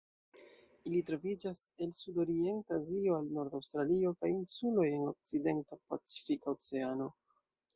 Ili troviĝas el Sudorienta Azio al norda Aŭstralio kaj insuloj en okcidenta Pacifika Oceano.